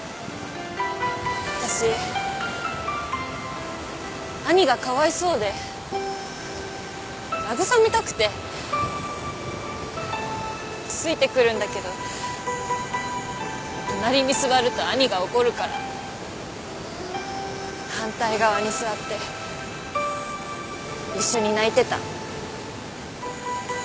私兄がかわいそうで慰めたくてついてくるんだけど隣に座ると兄が怒るから反対側に座って一緒に泣いてた。